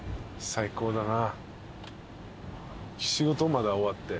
最高だね。